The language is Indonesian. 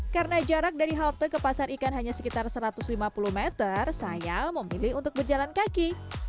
karena jarak dari halte ke pasar ikan hanya sekitar satu ratus lima puluh meter saya memilih untuk berjalan kaki